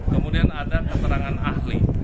kemudian ada keterangan ahli